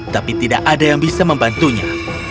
tapi tidak ada yang bisa membantunya